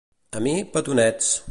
A mi, petonets!